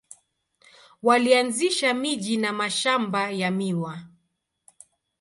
Walianzisha miji na mashamba ya miwa.